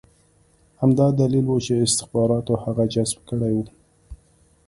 همدا دلیل و چې استخباراتو هغه جذب کړی و